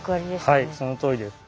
はいそのとおりです。